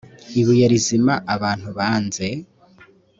ibuye rizima abantu banze